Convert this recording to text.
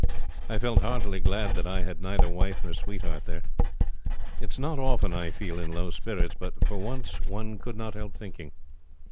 I felt heartily glad that I had neither wife nor sweetheart there. It is not often I feel in low spirits, but for once one could not help thinking.